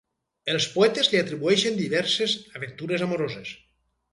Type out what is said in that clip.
Els poetes li atribueixen diverses aventures amoroses.